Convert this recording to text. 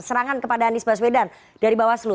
serangan kepada anies baswedan dari bawaslu